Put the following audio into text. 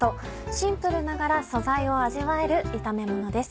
シンプルながら素材を味わえる炒めものです。